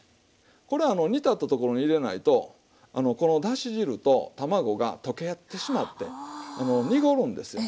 これあの煮立ったところに入れないとこのだし汁と卵が溶け合ってしまって濁るんですよ。